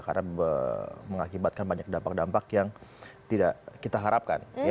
karena mengakibatkan banyak dampak dampak yang tidak kita harapkan